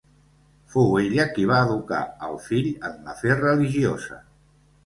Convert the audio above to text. Fou ella qui va educar al fill en la fe religiosa.